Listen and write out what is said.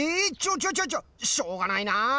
ちょっちょっちょっしょうがないな。